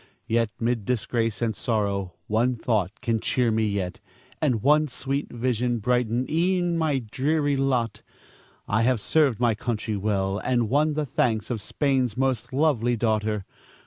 Yet, 'mid disgrace and sorrow, one thought can cheer me yet, and one sweet vision brighten e'en my dreary lot. I have served my country well, and won the thanks of Spain's most lovely daughter.